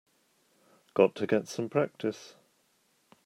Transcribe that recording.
Got to get some practice.